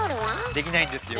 できないんですよ